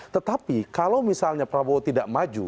tetapi kalau misalnya prabowo tidak maju